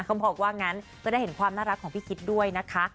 เขาบอกว่างั้นก็ได้เห็นความน่ารักของพี่คิดด้วยนะคะ